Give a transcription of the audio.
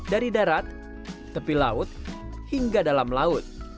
dari darat tepi laut hingga dalam laut